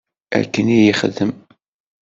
Akken i yexdem.